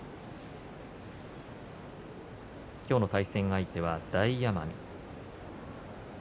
今日の対戦相手は大奄美。